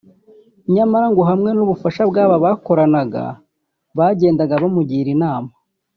nyamara ngo hamwe n’ubufasha bw’aba bakoranaga bagendaga bamugira inama